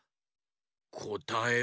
こたえは。